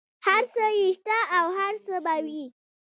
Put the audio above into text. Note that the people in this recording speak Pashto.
هر څه یې شته او هر څه به وي.